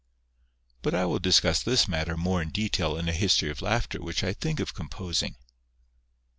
But I will discuss this matter more in detail in a history of laughter which I think of composing.